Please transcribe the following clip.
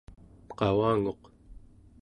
qavanguq